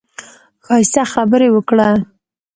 ښايسته خبرې وکړه.